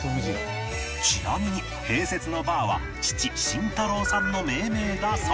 ちなみに併設のバーは父慎太郎さんの命名だそう